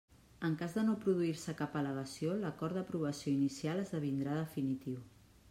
En cas de no produir-se cap al·legació l'acord d'aprovació inicial esdevindrà definitiu.